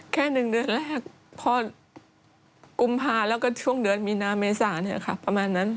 แค่๑เดือนแรกพอกุมภาแล้วก็ช่วงเดือนมีนาเมษาเนี่ยค่ะประมาณนั้น